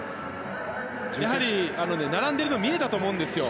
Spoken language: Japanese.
やはり、並んでいるところが見えたと思うんですよ。